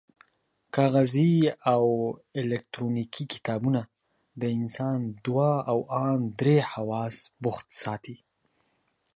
کاغذي او الکترونیکي کتابونه د انسان دوه او ان درې حواس بوخت ساتي.